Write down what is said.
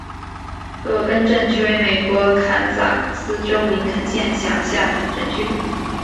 洛根镇区为美国堪萨斯州林肯县辖下的镇区。